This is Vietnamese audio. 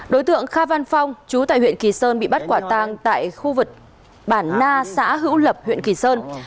đối tượng kha văn phong chú tại huyện kỳ sơn bị bắt quả tang tại khu vực bản na xã hữu lập huyện kỳ sơn